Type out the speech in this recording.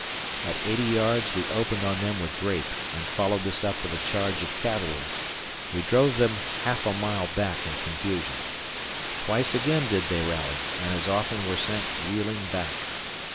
At eighty yards we opened on them with grape and following this up with a charge of cavalry, we drove them half a mile back in confusion. Twice again did they rally and as often were sent reeling back.